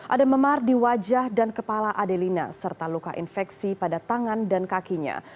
ada memar di wajah dan kepala adelina serta luka infeksi pada tangan dan kakinya